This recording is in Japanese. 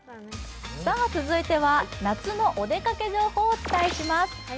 続いては夏のお出かけ情報をお伝えしますします。